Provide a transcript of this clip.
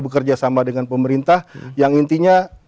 bekerja sama dengan pemerintah yang intinya